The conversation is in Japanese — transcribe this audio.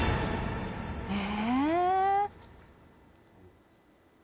え。